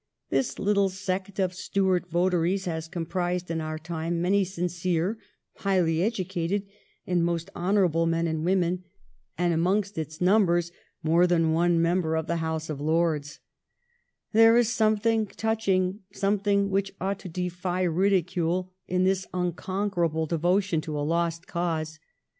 This little sect of Stuart votaries has comprised in our time many sincere, highly educated, and most honourable men and women, and had amongst its VOL. IL c c 386 THE REIGN OF QUEEN ANNE. ch. xxxix. numbers more than one member of the House of Lords. There is something touching, something which ought to defy ridicule, in this unconquerable devotion to a lost cause.